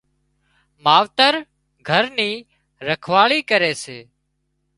ماوتر گھر نِي رکواۯي ڪري سي